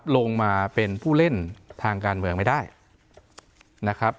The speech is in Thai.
ลงมาเป็นผู้เล่นทางการเมืองไม่ได้นะครับ